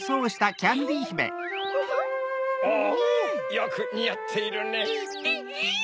よくにあっているねぇ。